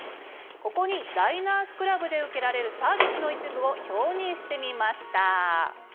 ここにダイナースクラブで受けられるサービスの一部を表にしてみました。